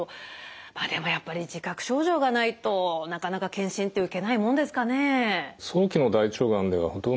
まあでもやっぱり自覚症状がないとなかなか検診って受けないもんですかね？